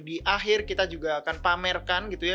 di akhir kita juga akan pamerkan gitu ya